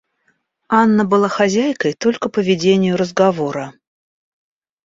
Анна была хозяйкой только по ведению разговора.